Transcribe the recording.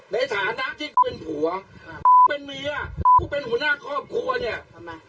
ในฐานะที่เป็นผัวกูเป็นเมียผู้เป็นหัวหน้าครอบครัวเนี่ยทำไม